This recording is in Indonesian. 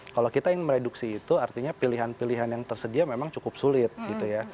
kalau kita ingin mereduksi itu artinya pilihan pilihan yang tersedia memang cukup sulit gitu ya